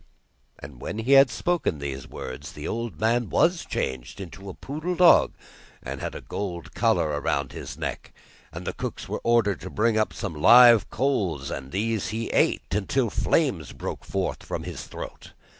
And when he had spoken these words, the old man was changed into a poodle dog, and had a gold collar round his neck, and the cooks were ordered to bring up some live coals, and these he ate, until the flames broke forth from his throat.